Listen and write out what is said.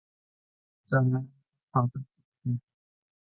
จำไม่ได้ว่าเขาปรากฏที่ไหน